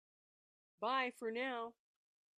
Bye for now!